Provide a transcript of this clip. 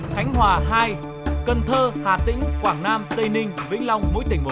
khánh hòa hai cần thơ hà tĩnh quảng nam tây ninh vĩnh long